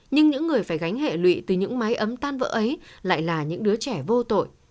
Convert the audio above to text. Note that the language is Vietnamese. nhưng những người phải gánh hệ lụy từ những mái ấm tan vỡ ấy lại là những đứa trẻ vô tội